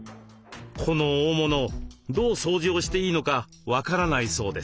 この大物どう掃除をしていいのか分からないそうです。